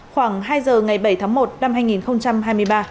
khoảng hai giờ ngày bảy tháng một năm hai nghìn hai mươi ba